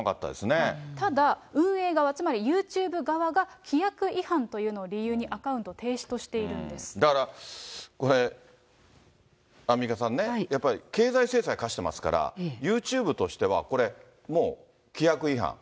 ただ、運営側、つまりユーチューブ側が規約違反というのを理由にアカウント停止としているんだから、これ、アンミカさんね、やっぱり経済制裁科してますから、ユーチューブとしては、これ、もう規約違反。